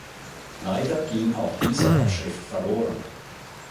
Leider ging auch diese Abschrift verloren.